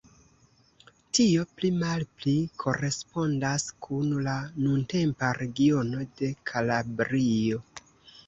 Tio pli malpli korespondas kun la nuntempa regiono de Kalabrio.